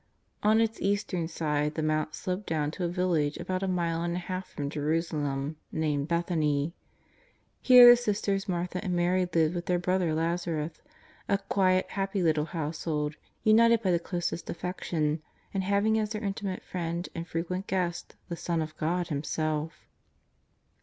On its eastern side the Mount sloped dovtm to a village about a mile and a half from Jeru salem, named Bethany. Here the sisters Martha and Mary lived with their brother Lazarus, a quiet, happy little household, united by the closest affection, and having as their intimate Friend and frequent Guest the Son of God Himself.